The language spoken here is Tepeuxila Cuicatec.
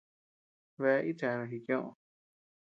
Bea itcheanu jikioʼö.